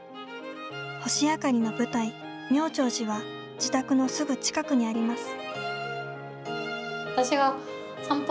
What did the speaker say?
「星あかり」の舞台、妙長寺は自宅のすぐ近くにあります。